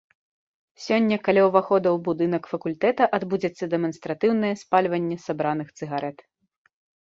Сёння каля ўвахода ў будынак факультэта адбудзецца дэманстратыўнае спальванне сабраных цыгарэт.